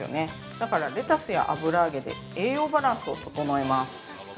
だからレタスや油揚げで、栄養バランスを整えます。